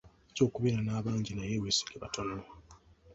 Oyinza okubeera n'abangi naye weesige batono.